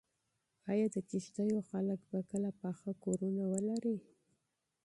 ایا د کيږديو خلک به کله پاخه کورونه ولري؟